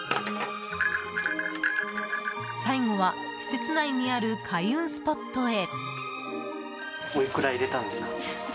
最後は施設内にある開運スポットへ。